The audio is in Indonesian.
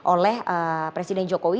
oleh presiden jokowi